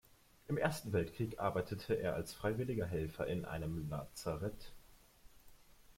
Im Ersten Weltkrieg arbeitete er als freiwilliger Helfer in einem Lazarett.